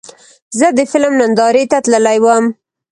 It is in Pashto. زه د فلم نندارې ته تللی وم.